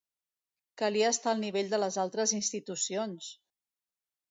Calia estar al nivell de les altres institucions!